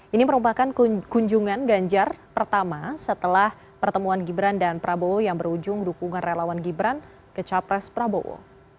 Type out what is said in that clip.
ini merupakan kunjungan ganjar pertama setelah pertemuan gibran dan prabowo yang berujung dukungan relawan gibran ke capres prabowo